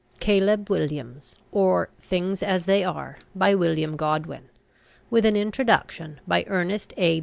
CALEB WILLIAMS OR THINGS AS THEY ARE BY WILLIAM GODWIN WITH AN INTRODUCTION BY ERNEST A.